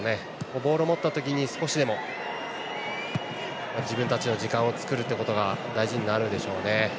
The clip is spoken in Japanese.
ボールを持った時少しでも自分たちの時間を作るということが大事になるでしょうね。